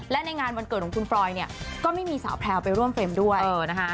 และในงานวันเกิดของคุณฟรอยเนี่ยก็ไม่มีสาวแพลวไปร่วมเฟรมด้วยนะคะ